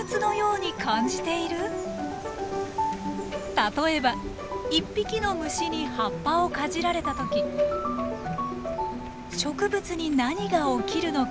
例えば一匹の虫に葉っぱをかじられた時植物に何が起きるのか。